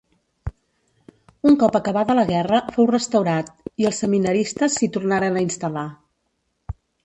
Un cop acabada la Guerra fou restaurat i els seminaristes s'hi tornaren a instal·lar.